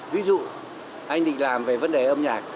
ví dụ anh định làm về vấn đề âm nhạc